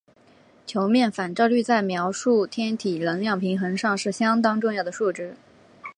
球面反照率在描述天体能量平衡上是相当重要的数值。